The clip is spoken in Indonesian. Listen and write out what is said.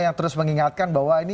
yang terus mengingatkan bahwa ini